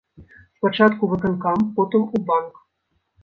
Спачатку ў выканкам, потым у банк.